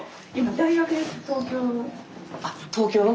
あっ東京の？